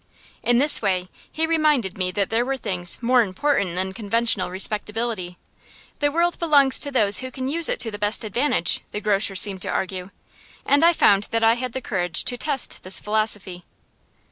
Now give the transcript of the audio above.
In this way he reminded me that there were things more important than conventional respectability. The world belongs to those who can use it to the best advantage, the grocer seemed to argue; and I found that I had the courage to test this philosophy.